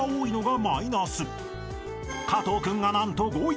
［加藤君が何と５位］